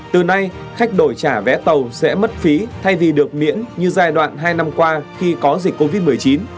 từ nay khách đổi trả vé tàu sẽ mất phí thay vì được miễn như giai đoạn hai năm qua khi có dịch covid một mươi chín